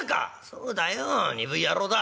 「そうだよ鈍い野郎だ」。